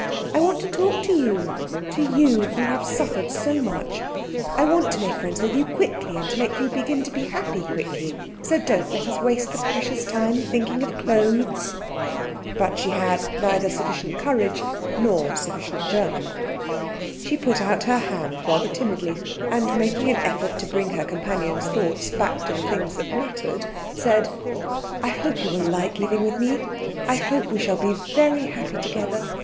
I want to talk to you, to you who have suffered so much; I want to make friends with you quickly, to make you begin to be happy quickly; so don't let us waste the precious time thinking of clothes." But she had neither sufficient courage nor sufficient German. She put out her hand rather timidly, and making an effort to bring her companion's thoughts back to the things that mattered, said, "I hope you will like living with me. I hope we shall be very happy together.